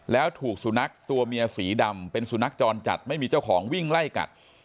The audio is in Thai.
แล้วถูกสุนัขตัวเมียสีดำเป็นสุนัขจรจัดไม่มีเจ้าของวิ่งไล่กัด